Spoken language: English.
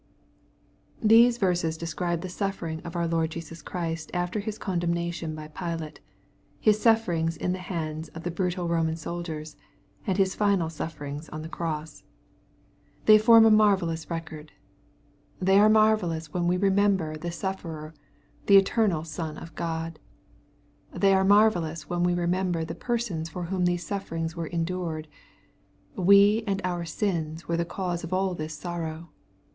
These verses describe the sufferings of our Lord Jesus Christ after his condemnation by Pilate, — His sufferings in the hands of the brutal Boman soldiers, and His final sufferings on the cross. They form a marvellous record. MATTHEW, CHAP. XXVII. 389 They are marvellous when we remember the sufferer, the eternal Son of God ! They are marvellous when we remember the persons for whom these sufferings were endured. We and our sins were the cause of all thig sorrow.